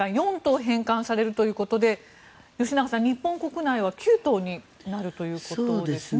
返還されるということで吉永さん、日本国内は９頭になるということですね。